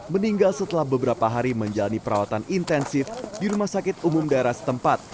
meninggal setelah beberapa hari menjalani perawatan intensif di rumah sakit umum daerah setempat